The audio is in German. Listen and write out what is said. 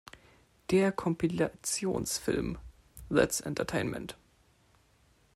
Der Kompilationsfilm "That’s Entertainment!